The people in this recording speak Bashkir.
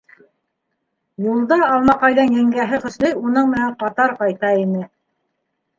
Юлда Алмаҡайҙың еңгәһе Хөснөй уның менән ҡатар ҡайта ине.